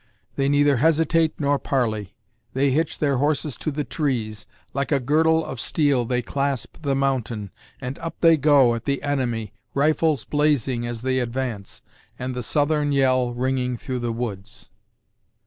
They neither hesitate nor parley; they hitch their horses to the trees; like a girdle of steel they clasp the mountain; and up they go, at the enemy rifles blazing as they advance, and the Southern yell ringing through the woods.